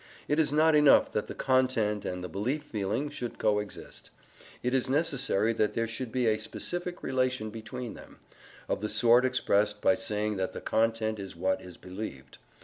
It is not enough that the content and the belief feeling should coexist: it is necessary that there should be a specific relation between them, of the sort expressed by saying that the content is what is believed.